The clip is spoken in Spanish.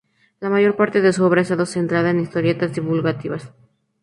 La mayor parte de su obra ha estado centrada en historietas divulgativas.